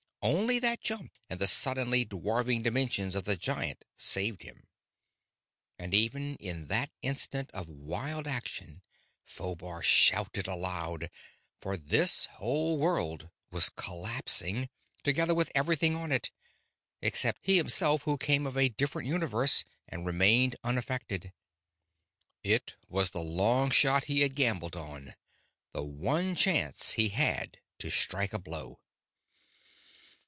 Only that jump and the suddenly dwarfing dimensions of the giant saved him. And even in that instant of wild action, Phobar shouted aloud for this whole world was collapsing, together with everything on it, except he himself who came of a different universe and remained unaffected! It was the long shot he had gambled on, the one chance he had to strike a blow.